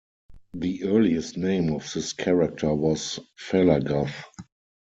The earliest name of this character was Felagoth.